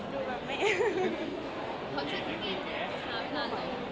ดูแบบแน่